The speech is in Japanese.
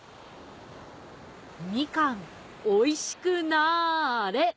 『みかんおいしくなーれ』。